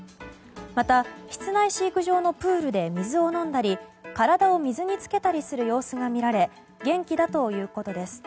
また、室内飼育場のプールで水を飲んだり体を水につけたりする様子が見られ元気だということです。